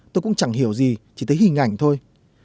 tôi cũng chẳng hiểu gì chỉ thấy hình ảnh thôi